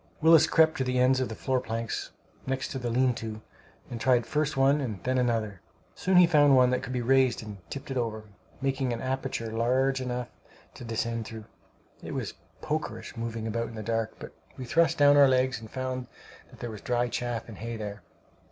Willis crept to the ends of the floor planks, next the lean to, and tried first one and then another. Soon he found one that could be raised and tipped it over, making an aperture large enough to descend through. It was "pokerish" moving about in the dark; but we thrust down our legs and found that there was dry chaff and hay there.